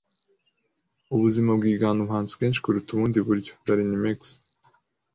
Ubuzima bwigana ubuhanzi kenshi kuruta ubundi buryo. (darinmex)